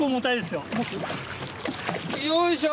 よいしょ。